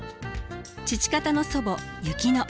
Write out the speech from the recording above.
父方の祖母薫乃。